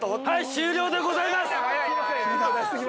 ◆終了でございます。